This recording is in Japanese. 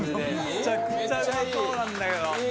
めちゃくちゃうまそうなんだけど。